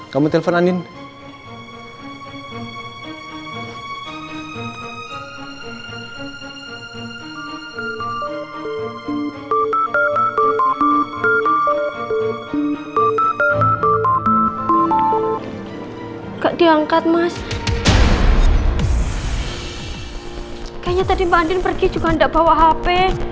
kayaknya tadi mbak andin pergi juga gak bawa hp